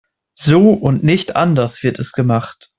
So und nicht anders wird es gemacht.